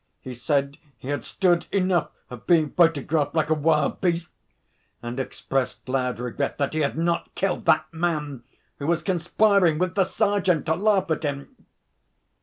He said he had 'stood enough of being photographed like a wild beast,' and expressed loud regret that he had not killed 'that man,' who was 'conspiring with the sergeant to laugh at him.'